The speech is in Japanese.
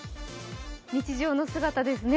日常の姿ですね